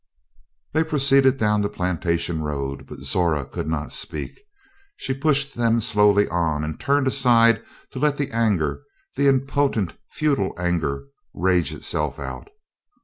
They proceeded down the plantation road, but Zora could not speak. She pushed them slowly on, and turned aside to let the anger, the impotent, futile anger, rage itself out.